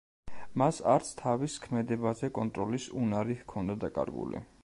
მას არც თავის ქმედებაზე კონტროლის უნარი ჰქონდა დაკარგული.